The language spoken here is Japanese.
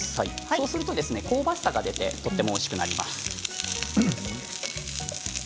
そうすると香ばしさが出てとてもおいしくなります。